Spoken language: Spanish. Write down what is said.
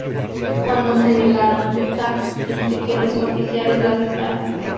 Cuando se negaron, Starks dice que los oficiales los arrestaron".